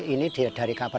ini dari kabar